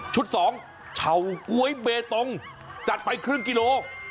๒เฉาก๊วยเบตงจัดไปครึ่งกิโล